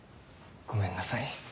ごめんなさい。